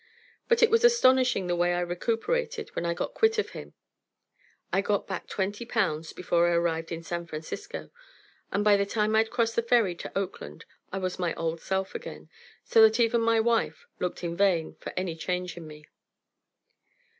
But it was astonishing the way I recuperated when I got quit of him. I got back twenty pounds before I arrived in San Francisco, and by the time I'd crossed the ferry to Oakland I was my old self again, so that even my wife looked in vain for any change in me.